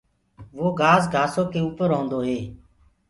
وو گھآس گھآسو ڪي اُپر هوندو هي۔